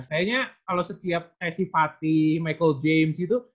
kayaknya kalau setiap s i fatih michael james gitu